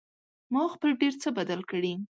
ما خپل ډېر څه بدل کړي